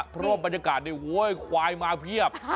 เพราะบรรยากาศนี่โอ้โฮเว้ยควายมาเพียบ